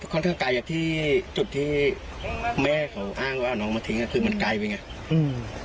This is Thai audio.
แต่ที่นี้มันกายแค่ที่จุดที่แม่อ้างว่าเอาน้องมาทิ้งคือมันใกล้ไปไง